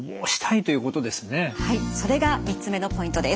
はいそれが３つ目のポイントです。